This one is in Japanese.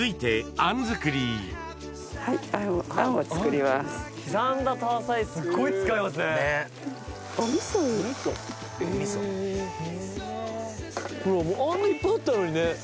あんなにいっぱいあったのにね